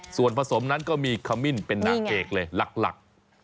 ส่วนผสมนั้นก็มีขมิ้นเป็นนางเอกเลยหลัก